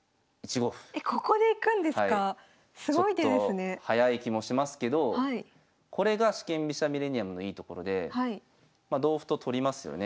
ちょっと早い気もしますけどこれが四間飛車ミレニアムのいいところでま同歩と取りますよね。